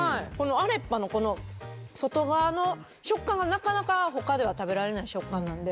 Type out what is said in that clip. アレパのこの外側の食感がなかなか他では食べられない食感なんで。